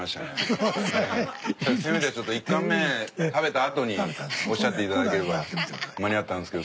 せめて１貫目食べたあとにおっしゃって頂ければ間に合ったんですけど。